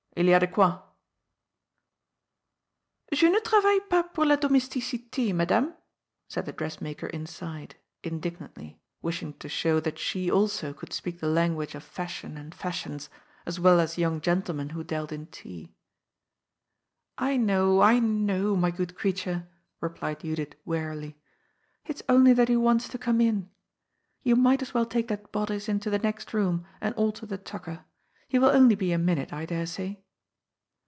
H y a de quoi." ^' Je ne travaille pas pour la domesticity, Madame," said the dressmaker inside, indignantly, wishing to show that 120 ^^OD'S FOOL. she also could speak the language of fashion and fashions, as well as young gentlemen who dealt in tea. "I know, I know, my good creature," replied Judith wearily. " It's only that he wants to come in. You might as well take that bodice into the next room and alter the tucker. He will only be a minute, I dare say."